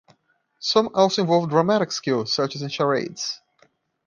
Some also involve dramatic skill, such as in charades.